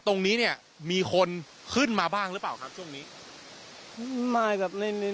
ตรงนี้เนี่ยมีคนขึ้นมาบ้างรึเปล่าครับช่วงนี้